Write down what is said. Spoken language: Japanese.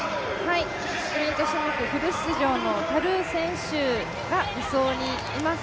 スプリント種目フル出場のタルー選手が２走にいます。